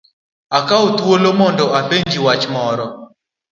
Akawo thuolo ni mondo apenji wach moro.